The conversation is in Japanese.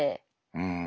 うん。